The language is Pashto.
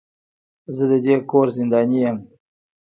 زه د دې کور زنداني يم.